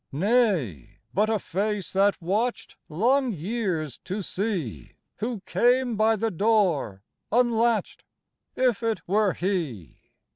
Nay, but a face that watched Long years to see Who came by the door unlatched, If it were he.